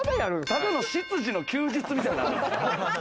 ただの執事の休日みたいな。